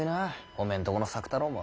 おめえんとこの作太郎も。